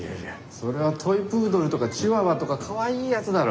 それはトイプードルとかチワワとかかわいいやつだろ。